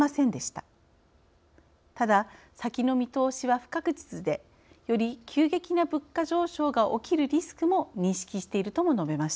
ただ先の見通しは不確実でより急激な物価上昇が起きるリスクも認識しているとも述べました。